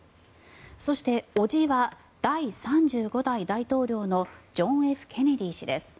そして、伯父は第３５代大統領のジョン・Ｆ・ケネディ氏です。